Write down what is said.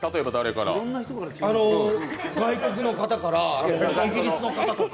外国の方から、イギリスの方とか。